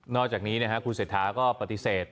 อกจากนี้คุณเศรษฐาก็ปฏิเสธ